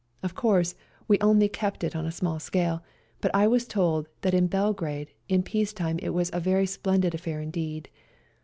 Of course, we only kept it on a small scale, bu^ I was told that in Bel grade in peace time it was a very splendid affair indeed.